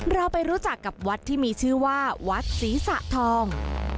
เราไปรู้จักกับวัดที่มีชื่อว่าวัดศรีสะทอง